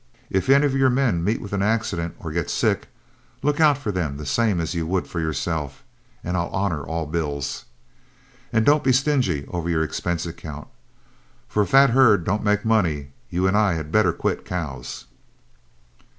If any of your men meet with accident or get sick, look out for them the same as you would for yourself, and I'll honor all bills. And don't be stingy over your expense account, for if that herd don't make money, you and I had better quit cows."